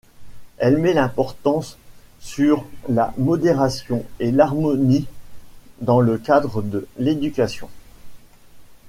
Elle met l’importance sur la modération et l’harmonie dans le cadre de l’éducation.